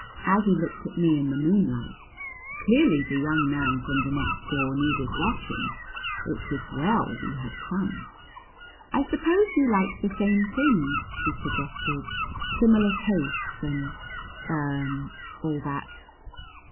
Aggie looked at me in the moonlight. Clearly the young man from the next door needed watching. It was well we had come. "I suppose you like the same things?" she suggested. "Similar tastes and er all that?"